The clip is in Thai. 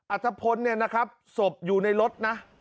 อธพลเนี่ยนะครับศพอยู่ในรถนะ